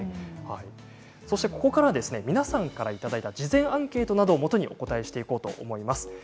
ここからは皆さんからいただいた事前アンケートなどをもとにお答えしていきます。